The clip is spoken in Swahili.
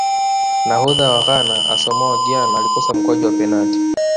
nahodha wa ghana asamoah gyan alikosa mkwaju wa penati